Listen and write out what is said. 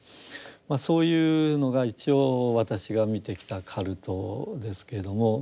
そういうのが一応私が見てきたカルトですけども。